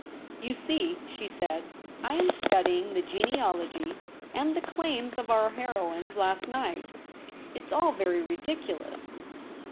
' You see,' she said, ' I am studying the genealogy and the claims of our heroine of last night. It's all very ridiculous.'